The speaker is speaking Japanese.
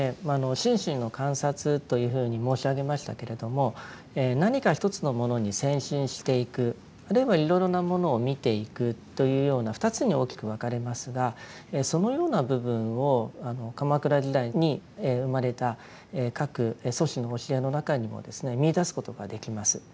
心身の観察というふうに申し上げましたけれども何か一つのものに専心していくあるいはいろいろなものを見ていくというような２つに大きく分かれますがそのような部分を鎌倉時代に生まれた各祖師の教えの中にもですね見いだすことができます。